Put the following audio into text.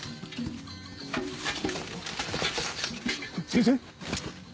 先生？